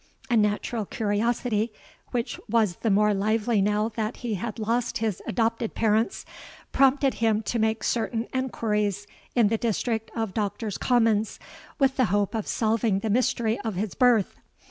A natural curiosity—which was the more lively now that he had lost his adopted parents—prompted him to make certain enquiries in the district of Doctors' Commons, with the hope of solving the mystery of his birth.